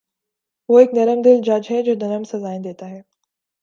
وہ ایک نرم دل جج ہے جو نرم سزایئں دیتا `ہے